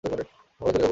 সকালে চলে যাব।